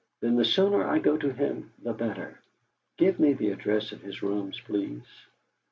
Then the sooner I go to him the better! Give me the address of his rooms, please."